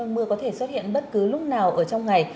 mưa có thể xuất hiện bất cứ lúc nào ở trong ngày